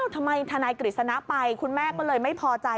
ทนายกฤษณะไปคุณแม่ก็เลยไม่พอใจ